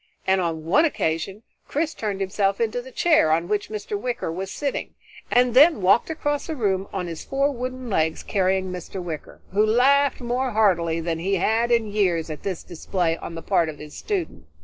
and on one occasion Chris turned himself into the chair on which Mr. Wicker was sitting, and then walked across the room on his four wooden legs carrying Mr. Wicker, who laughed more heartily than he had in years at this display on the part of his student.